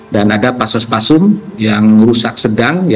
dan ada pasos pasum yang rusak sedang